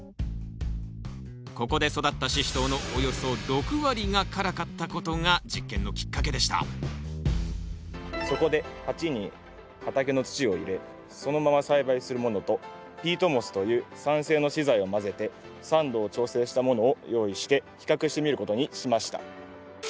ここで育ったシシトウのおよそ６割が辛かったことが実験のきっかけでしたそこで鉢に畑の土を入れそのまま栽培するものとピートモスという酸性の資材を混ぜて酸度を調整したものを用意して比較してみることにしました。